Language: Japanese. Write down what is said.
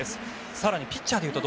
更にピッチャーでいうと。